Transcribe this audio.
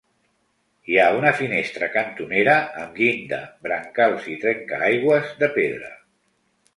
Hi ha una finestra cantonera amb llinda, brancals i trencaaigües de pedra.